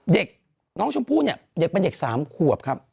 เด็กน้องชมพู่เนี่ยเด็กเป็นเด็ก๓ขวบครับ